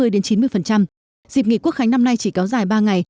dịp nghỉ quốc khánh năm nay chỉ kéo dài ba ngày